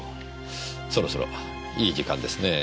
そろそろいい時間ですね。